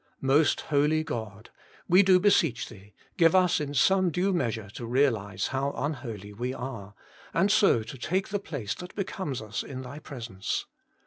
Most Holy God ! we do beseech Thee, give us in some due measure to realize how unholy we are, and so to take the place that becomes us in Thy presence.